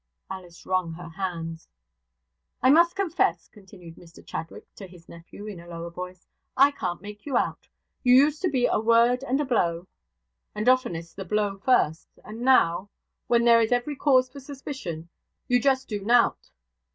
Alice wrung her hands. 'I must confess,' continued Mr Chadwick to his nephew, in a lower voice, 'I can't make you out. You used to be a word and a blow, and oftenest the blow first; and now, when there is every cause for suspicion, you just do nought.